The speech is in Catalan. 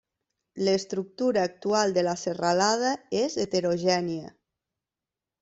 L'estructura actual de la serralada és heterogènia.